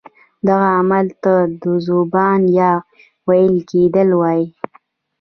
دغه عمل ته ذوبان یا ویلي کیدل وایي.